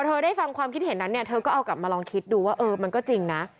เธอได้ฟังความคิดเห็นนั้นเนี่ยเธอก็เอากลับมาลองคิดดูว่าเออมันก็จริงนะ